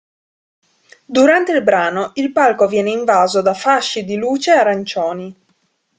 Durante il brano, il palco viene invaso da fasci di luce arancioni.